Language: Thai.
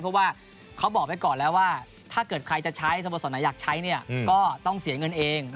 เพราะว่าเขาบอกไว้ก่อนแล้วว่าถ้าเกิดใครจะใช้สโมสรไหนอยากใช้ก็ต้องเสียเงินเอง